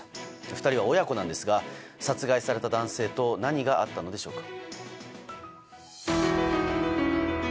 ２人は親子なんですが殺害された男性と何があったんでしょうか。